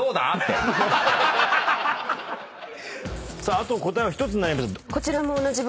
あと答えは１つになりました。